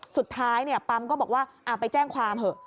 สุดท้ายปั๊มก็บอกว่าไปแจ้งความเถอะ